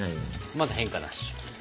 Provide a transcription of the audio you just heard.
まだ変化なし。